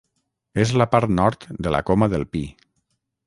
És la part nord de la Coma del Pi.